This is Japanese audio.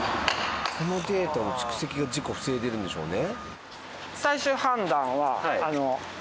このデータの蓄積が事故を防いでるんでしょうね。